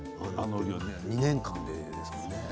２年間でですね。